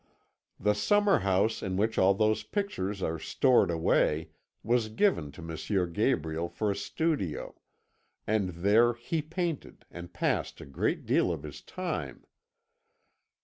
The summer house in which all those pictures are stored away was given to M. Gabriel for a studio, and there he painted and passed a great deal of his time.